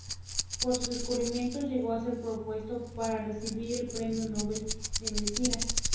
Por sus descubrimientos llegó a ser propuesto para recibir el Premio Nobel de Medicina.